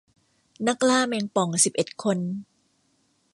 นักล่าแมงป่องสิบเอ็ดคน